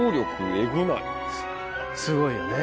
すごいよね。